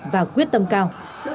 và quyết tâm cao